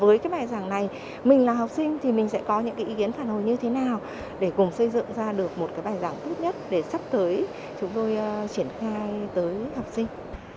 với cái bài giảng này mình là học sinh thì mình sẽ có những cái ý kiến phản hồi như thế nào để cùng xây dựng ra được một cái bài giảng tốt nhất để sắp tới chúng tôi triển khai tới học sinh